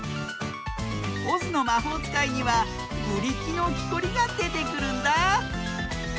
「オズのまほうつかい」にはブリキのきこりがでてくるんだ。